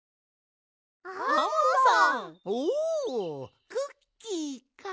おおクッキーか。